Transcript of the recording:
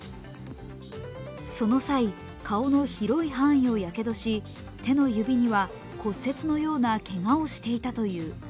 その際、顔の広い範囲をやけどし、手の指には骨折のようなけがをしていたという。